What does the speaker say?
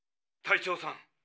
隊長さん